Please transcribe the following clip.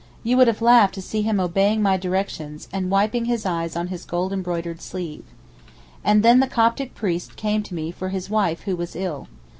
You would have laughed to see him obeying my directions, and wiping his eyes on his gold embroidered sleeve. And then the Coptic priest came for me for his wife who was ill.